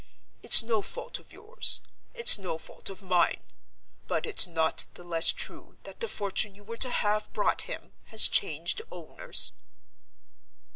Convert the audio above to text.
It's no fault of yours; it's no fault of mine—but it's not the less true that the fortune you were to have brought him has changed owners."